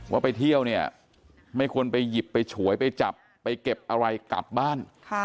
ว่าไปเที่ยวเนี่ยไม่ควรไปหยิบไปฉวยไปจับไปเก็บอะไรกลับบ้าน